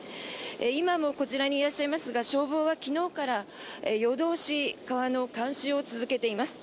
今もこちらにいらっしゃいますが消防は昨日から夜通し川の監視を続けています。